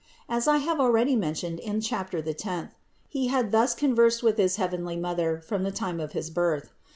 As I have already mentioned in chapter the tenth, He had thus conversed with his heavenly Mother from the time of his Birth.